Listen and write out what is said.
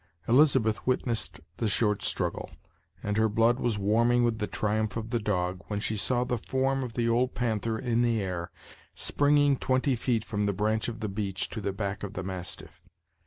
Elizabeth witnessed the short struggle, and her blood was warming with the triumph of the dog, when she saw the form of the old panther in the air, springing twenty feet from the branch of the beech to the back of the mastiff.